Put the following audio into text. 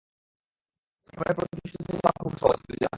প্রেমের প্রতিশ্রুতি দেওয়া খুব সহজ, পূজা।